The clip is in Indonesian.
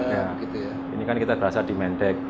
ya ini kan kita terasa di main deck